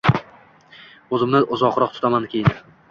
O‘zimni uzoqroq tutaman keyin.